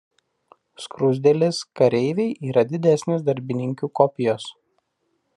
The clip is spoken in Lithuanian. Skruzdėlės kareiviai yra didesnės darbininkių kopijos.